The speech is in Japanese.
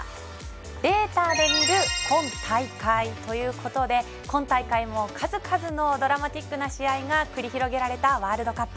データで見る今大会ということで今大会も数々のドラマチックな試合が繰り広げられたワールドカップ。